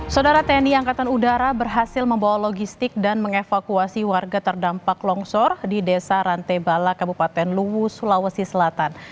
saudara tni angkatan udara berhasil membawa logistik dan mengevakuasi warga terdampak longsor di desa rantebala kabupaten luwu sulawesi selatan